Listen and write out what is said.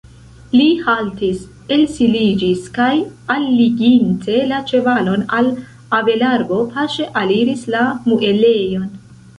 Li haltis, elseliĝis kaj, alliginte la ĉevalon al avelarbo, paŝe aliris la muelejon.